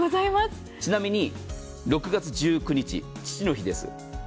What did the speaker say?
ちなみに、６月１９日、父の日です。